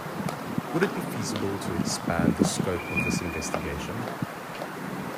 Would it be feasible to expand the scope of this investigation?